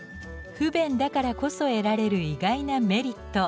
不便だからこそ得られる意外なメリット。